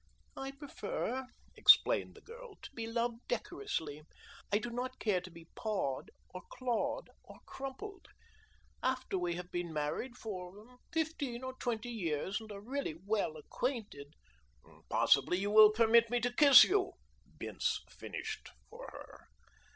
"I prefer," explained the girl, "to be loved decorously. I do not care to be pawed or clawed or crumpled. After we have been married for fifteen or twenty years and are really well acquainted " "Possibly you will permit me to kiss you," Bince finished for her.